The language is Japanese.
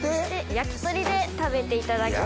焼き鳥で食べていただきたいと。